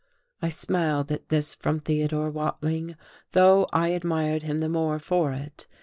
I smiled at this from Theodore Watling, though I admired him the more for it.